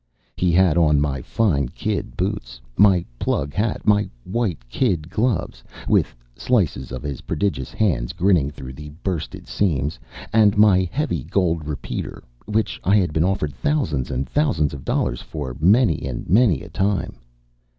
He had on my fine kid boots, my plug hat, my white kid gloves (with slices of his prodigious hands grinning through the bursted seams), and my heavy gold repeater, which I had been offered thousands and thousands of dollars for many and many a time.